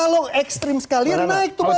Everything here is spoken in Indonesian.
kalau ekstrim sekali ya naik tuh barang